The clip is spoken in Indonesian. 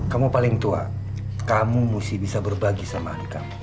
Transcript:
kamu paling tua kamu mesti bisa berbagi sama anak kamu